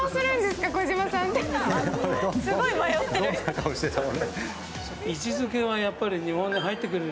すごい迷ってる。